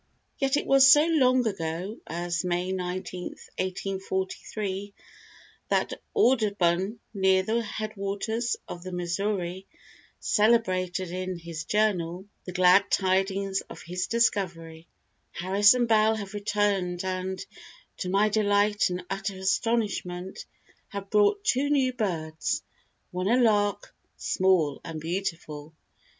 Yet it was so long ago as May 19, 1843, that Audubon, near the headwaters of the Missouri, celebrated in his journal the glad tidings of his discovery: "Harris and Bell have returned, and, to my delight and utter astonishment, have brought two new birds, one a lark, small and beautiful."